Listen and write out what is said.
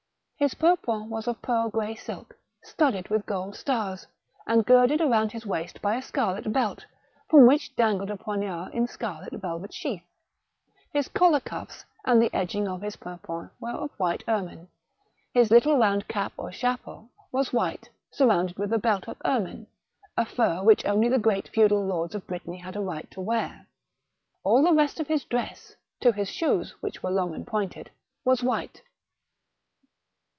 His purpoint was of pearl grey silk, studded with gold stars, and girded around his waist by a scarlet belt, from which dangled a poignard in scarlet velvet sheath. His collar, cuflFs, and the edging of his purpoint were of white ermine, his little round cap or chapel was white, surrounded with a belt of ermine — a fur which only the great feudal lords of Brittany had a right to wear. All the rest of his dress, to the shoes which were long and pointed, was white.